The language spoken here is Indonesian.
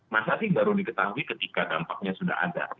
masa sih baru diketahui ketika dampaknya sudah ada